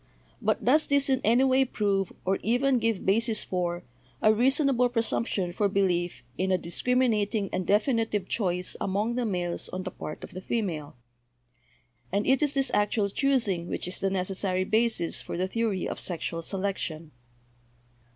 But does this in any way prove, or even give basis for, a reasonable presumption for belief in a discriminating and definitive choice among the males on the part of the female? And it is this actual choosing which is the necessary basis for the theory of sexual selection.